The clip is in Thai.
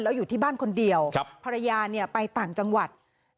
แล้วอยู่ที่บ้านคนเดียวภรรยาเนี่ยไปต่างจังหวัด